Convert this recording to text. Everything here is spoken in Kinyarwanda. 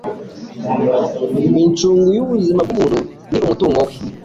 incungu y'ubuzima bw'umuntu ni umutungo we